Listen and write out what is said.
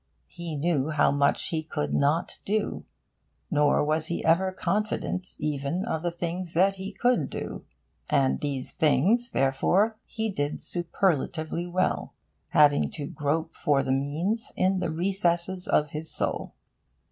He knew how much he could not do, nor was he ever confident even of the things that he could do; and these things, therefore, he did superlatively well, having to grope for the means in the recesses of his soul.